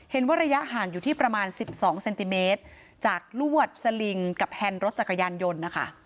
ระยะห่างอยู่ที่ประมาณ๑๒เซนติเมตรจากลวดสลิงกับแฮนด์รถจักรยานยนต์นะคะ